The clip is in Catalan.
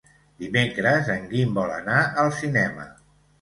Dimecres en Guim vol anar al cinema.